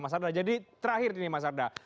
mas arda jadi terakhir ini mas arda